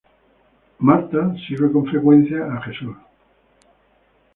Marta sirve con frecuencia a Jesús.